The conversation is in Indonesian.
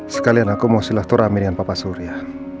sekalian aku mau silah turamirin papa surya